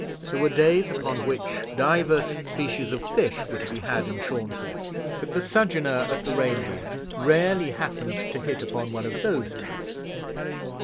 There were days upon which divers species of fish were to be had in Shorncliffe, but the sojourner at the Reindeer rarely happened to hit upon one of those days.